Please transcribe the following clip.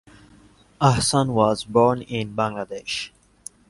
Ahsan was born in Bangladesh.